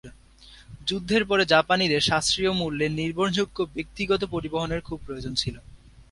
যুদ্ধের পরে, জাপানিদের সাশ্রয়ী মূল্যের, নির্ভরযোগ্য ব্যক্তিগত পরিবহনের খুব প্রয়োজন ছিল।